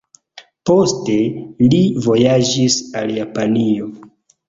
Poste li vojaĝis al Japanio.